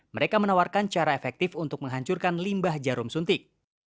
mereka menawarkan cara efektif untuk menghancurkan limbah jarum suntik